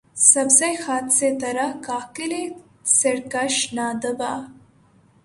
سبزہٴ خط سے ترا کاکلِ سرکش نہ دبا